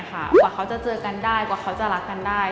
กว่าเขาจะเจอกันได้กว่าเขาจะรักกันได้